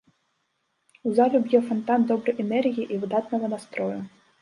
У залю б'е фантан добрай энергіі і выдатнага настрою.